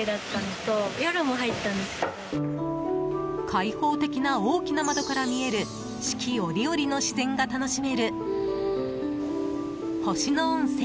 開放的な大きな窓から見える四季折々の自然が楽しめる星野温泉